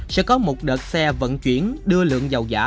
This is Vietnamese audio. sẽ có một đợt xe vận chuyển đưa lượng dầu giả